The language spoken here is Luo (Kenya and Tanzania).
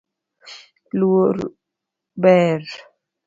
Luor ber